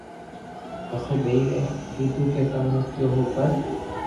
پسي ٻيئر اي ڪآدو ڪي تمو ڪيو ھون پر